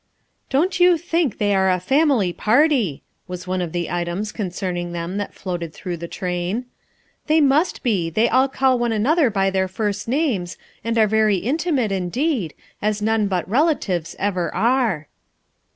"Don't you think they are a family party!" was one of the items concerning them that floated through the train. '' They must be, they all call one another by their first names, and are very intimate indeed, as none but relatives ever are."